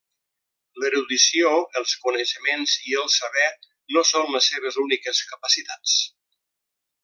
L'erudició, els coneixements i el saber, no són les seves úniques capacitats.